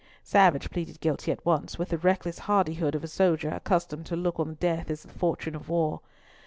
Savage pleaded guilty at once, with the reckless hardihood of a soldier accustomed to look on death as the fortune of war.